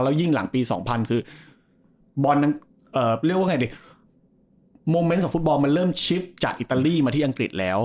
แล้วยิ่งหลังปี๒๐๐๐คือโมเมนต์ของฟุตบอลมันเริ่มชิปจากอิตาลีมาที่อังกฤษแล้ว